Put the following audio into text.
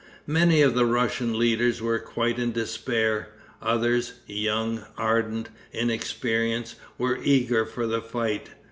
Many of the Russian leaders were quite in despair; others, young, ardent, inexperienced, were eager for the fight.